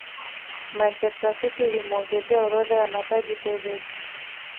manchester city ilimuongezea orodha ya mataji tevez